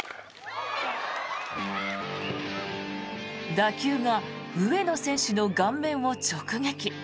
打球が上野選手の顔面を直撃。